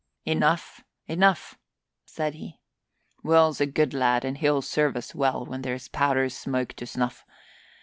"Enough, enough!" said he. "Will's a good lad and he'll serve us well when there's powder smoke to snuff.